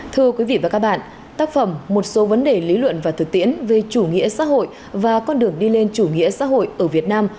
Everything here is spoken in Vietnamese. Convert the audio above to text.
thưa quý vị và các bạn tác phẩm một số vấn đề lý luận và thực tiễn về chủ nghĩa xã hội và con đường đi lên chủ nghĩa xã hội ở việt nam